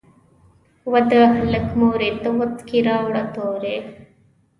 "وه د هلک مورې ته وڅکي راوړه توري".